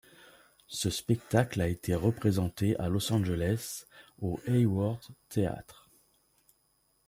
Ce spectacle a été représenté à Los Angeles au Hayworth Theatre.